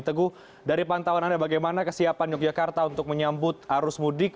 teguh dari pantauan anda bagaimana kesiapan yogyakarta untuk menyambut arus mudik